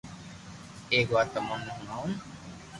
ايڪ وات تمون ني ڄڻاوو